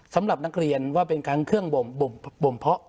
สำหรับนักเรียนว่าเป็นทั้งเครื่องบ่มเพาะ